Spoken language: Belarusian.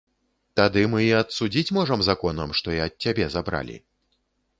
Тады мы і адсудзіць можам законам, што і ад цябе забралі.